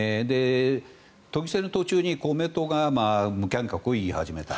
都議選の途中に公明党が無観客を言い始めた。